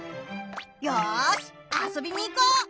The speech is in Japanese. よし遊びに行こう！